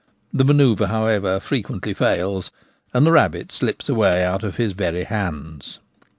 The manoeuvre, however, frequently fails, and the rabbit slips away out of his very hands.